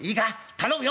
頼むよ！